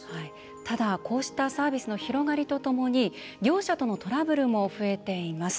ただ、こうしたサービスの広がりとともに業者とのトラブルも増えています。